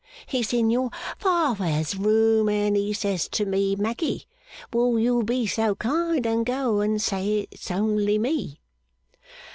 He's in your father's room, and he says to me, Maggy, will you be so kind and go and say it's only me.